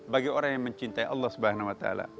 bagi orang yang mencintai allah swt